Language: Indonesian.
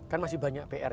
kan masih banyak pr